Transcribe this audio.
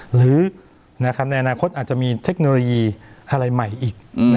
หรือในอนาคตอาจจะมีเทคโนโลยีอะไรใหม่อีก